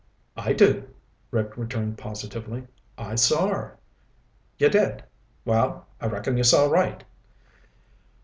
"I do," Rick returned positively. "I saw her." "You did? Well, I reckon you saw right."